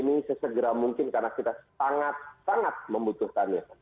dari ruu pdt ini sesegera mungkin karena kita sangat sangat membutuhkannya